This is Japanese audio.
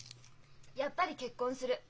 やっぱり結婚する。